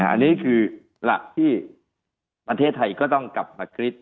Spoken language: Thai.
อันนี้คือหลักที่ประเทศไทยก็ต้องกลับมาคิด